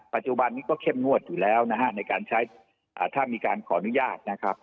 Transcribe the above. ปัจจุบันนี้ก็เข้มงวดอยู่แล้วนะฮะในการใช้ถ้ามีการขออนุญาตนะครับ